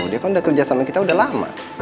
dia kan udah kerja sama kita udah lama